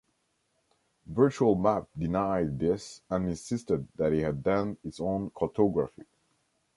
Virtual Map denied this and insisted that it had done its own cartography.